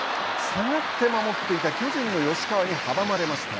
下がって守っていた巨人の吉川に阻まれました。